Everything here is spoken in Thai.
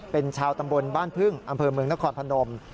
เป็นชาวตำบลบ้านพึ่งอำเภอเมืองนครพนม